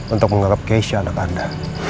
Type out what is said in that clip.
untuk menganggap cash anak anda